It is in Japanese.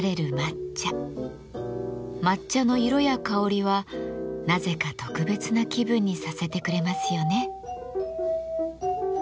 抹茶の色や香りはなぜか特別な気分にさせてくれますよね。